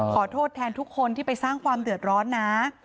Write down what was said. ขอโทษแทนทุกคนที่ไปสร้างความเดือดร้อนนะ